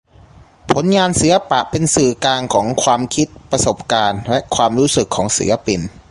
ผลงานศิลปะเป็นสื่อกลางของ ความคิด ประสบการณ์ และ ความรู้สึกของศิลปิน